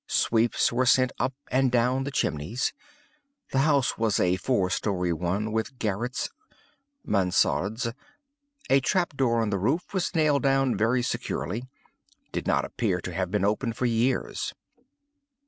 Sweeps were sent up and down the chimneys. The house was a four story one, with garrets (mansardes.) A trap door on the roof was nailed down very securely—did not appear to have been opened for years.